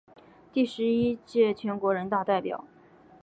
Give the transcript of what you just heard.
第十一届全国人大代表。